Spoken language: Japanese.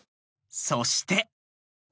［そして］